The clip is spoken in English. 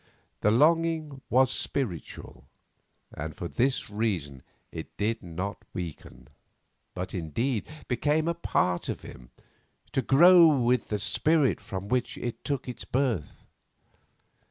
The longing was spiritual, and for this reason it did not weaken, but, indeed, became a part of him, to grow with the spirit from which it took its birth.